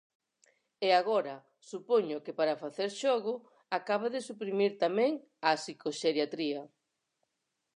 E agora, supoño que para facer xogo, acaba de suprimir tamén a psicoxeriatría.